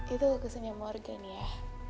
itu lukisannya morgan ya